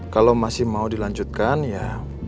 kalau masih mau dilanjutkan ya